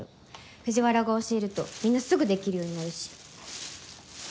藤原が教えるとみんなすぐできるようになるし。